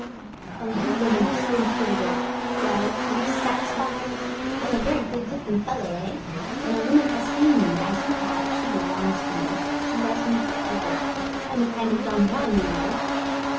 Oh, you women are so inquisitive! Well, are you satisfied? I'm a very good looking fellow, eh? ... When a woman has seen me, as you have, she belongs to me. She loves me for ever. I am a kind of Don Juan, you know!'